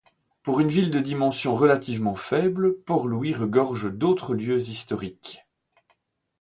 Pour une ville de dimension relativement faible, Port-Louis regorge d'autres lieux historiques.